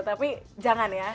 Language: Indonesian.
tapi jangan ya